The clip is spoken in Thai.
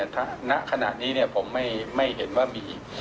ถ้าณขณะนี้ผมไม่เห็นว่ามี